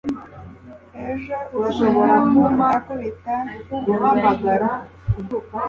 ejo umuntu akubita ibiryo